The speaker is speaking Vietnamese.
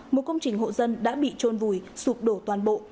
một công trình hộ dân đã bị trôn vùi sụp đổ toàn bộ